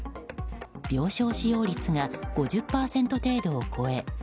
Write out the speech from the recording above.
病床使用率が５０％程度を超え